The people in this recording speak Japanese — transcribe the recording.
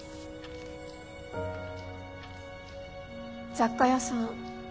雑貨屋さん